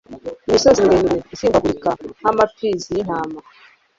imisozi miremire isimbagurika nk’amapfizi y’intama